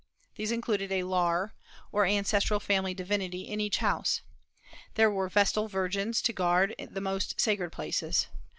These included a Lar, or ancestral family divinity, in each house. There were Vestal virgins to guard the most sacred places.